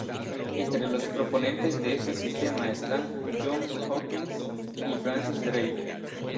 Entre los proponentes de este sistema están John Hawkins y Francis Drake.